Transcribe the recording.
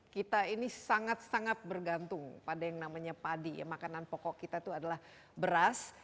kita ini sangat sangat bergantung pada yang namanya padi ya makanan pokok kita itu adalah beras